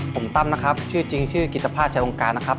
ผมปั้มนะครับชื่อจริงอิจภาษาใช้องค์การนะครับ